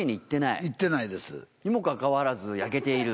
にもかかわらず。